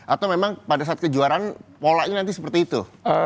atau memang pada saat kejuaraan polanya nanti seperti itu